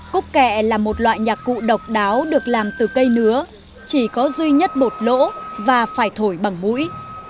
cúc kẹ là một loại nhạc cụ độc đáo được làm từ cây nứa chỉ có duy nhất một lỗ và phải thổi bằng mũi